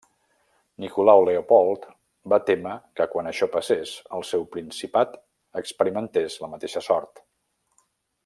Nicolau Leopold va témer que quan això passes el seu principat experimentés la mateixa sort.